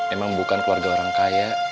emang bukan keluarga orang kaya